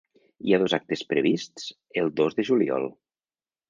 Hi ha dos actes prevists el dos de juliol.